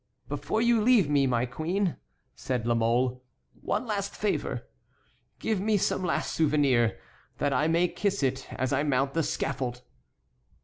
"Before you leave me, my queen," said La Mole, "one last favor. Give me some last souvenir, that I may kiss it as I mount the scaffold."